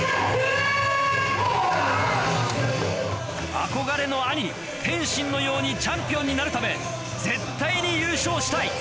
憧れの兄天心のようにチャンピオンになるため絶対に優勝したい！